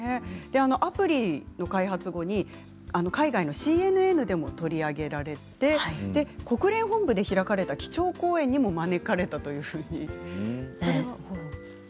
アプリの開発後に海外のＣＮＮでも取り上げられて国連本部で開かれた基調講演にも招かれたと聞いています。